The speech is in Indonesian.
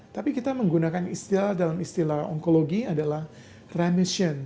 tapi kita menggunakan istilah dalam istilah onkologi adalah remission